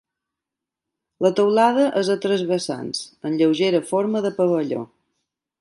La teulada és a tres vessants, amb lleugera forma de pavelló.